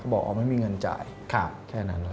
บอกว่าไม่มีเงินจ่ายแค่นั้น